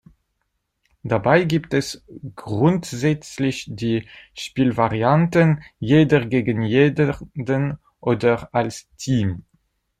Dabei gibt es grundsätzlich die Spielvarianten "Jeder gegen Jeden" oder als "Team".